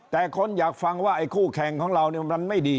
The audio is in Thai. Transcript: แต่คนอยากฟังว่าไอ้คู่แข่งของเรามันไม่ดี